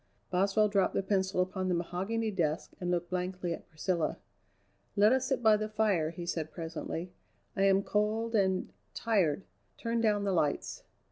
Boswell dropped the pencil upon the mahogany desk and looked blankly at Priscilla. "Let us sit by the fire," he said presently, "I am cold and tired. Turn down the lights."